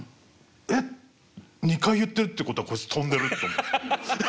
「えっ２回言ってるってことはこいつ飛んでる」と思って。